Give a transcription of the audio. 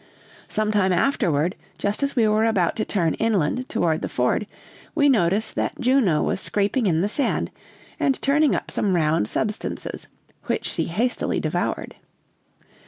"Some time afterward, just as we were about to turn inland toward the ford, we noticed that Juno was scraping in the sand, and turning up some round substances, which she hastily devoured.